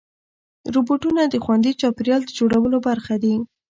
روبوټونه د خوندي چاپېریال د جوړولو برخه دي.